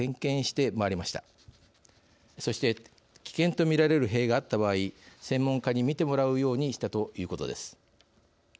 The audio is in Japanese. そして危険と見られる塀があった場合専門家に見てもらうようにしたということです。